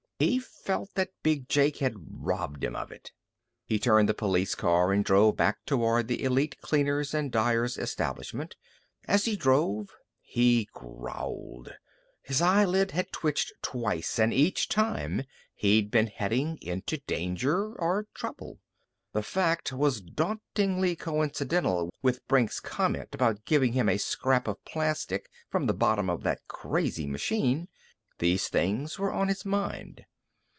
He felt that Big Jake had robbed him of it. He turned the police car and drove back toward the Elite Cleaners and Dyers establishment. As he drove, he growled. His eyelid had twitched twice, and each time he'd been heading into danger or trouble. The fact was dauntingly coincidental with Brink's comment after giving him a scrap of plastic from the bottom of that crazy machine. These things were on his mind.